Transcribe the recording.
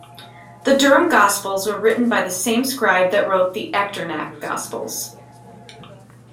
The Durham Gospels were written by the same scribe that wrote the Echternach Gospels.